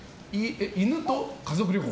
犬と家族旅行。